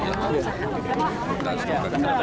ya kan selalu ada